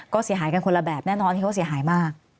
ก็เสียหายกันคนละแบบแน่นอนที่เขาเสียหายมาก